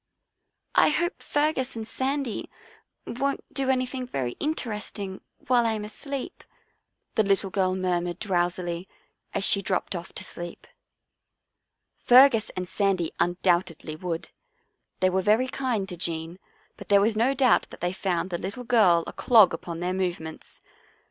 " I hope Fergus and Sandy won't do any thing very interesting while I am asleep," the little girl murmured drowsily, as she dropped off to sleep. On the Way to the " Run " 43 Fergus and Sandy undoubtedly would. They were very kind to Jean, but there was no doubt that they found the little girl a clog upon their movements.